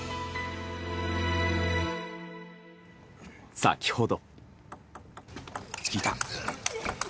先ほど。